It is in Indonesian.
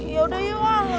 yaudah yuk ah